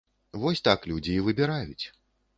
Вось так людзі і выбіраюць!